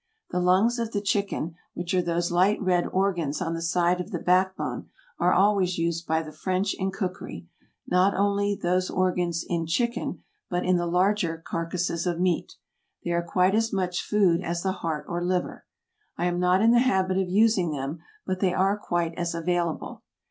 The lungs of the chicken, which are those light red organs on the side of the back bone, are always used by the French in cookery, not only those organs in chicken but in the larger carcasses of meat. They are quite as much food as the heart or liver. I am not in the habit of using them, but they are quite as available.